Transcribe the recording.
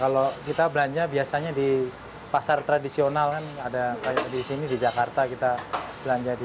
kalau kita belanja biasanya di pasar tradisional kan ada kayak di sini di jakarta kita belanja di